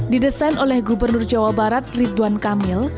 didesain oleh gubernur jawa barat ridwan kamil